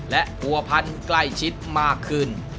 และผัวพันธุ์ใกล้ชิดมากขึ้น